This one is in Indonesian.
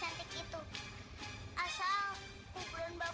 hei siapa kalian